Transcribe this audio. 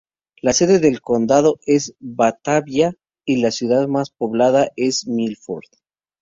La sede del condado es Batavia, y la ciudad más poblada es Milford.